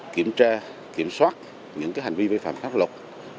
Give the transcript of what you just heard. kiểm tra kiểm soát những hành vi vi phạm pháp luật